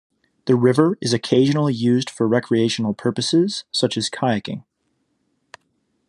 The river is occasionally used for recreational purposes, such as kayaking.